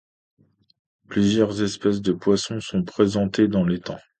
Plusieurs espèces de poissons sont présentes dans l'étang.